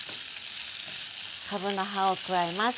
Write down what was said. かぶの葉を加えます。